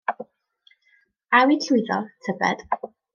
A yw'n llwyddo, tybed?